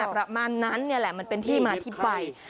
ประมาณนั้นเนี่ยแหละมันเป็นที่มาอธิบัย